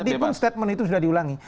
tadi pun statement itu sudah diulangi